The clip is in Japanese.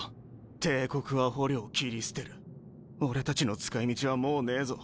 帝国は捕虜を切り捨てる俺たちの使い道はもうねえぞ。